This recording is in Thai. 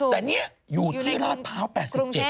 แต่เนี่ยอยู่ที่ราชเภา๘๗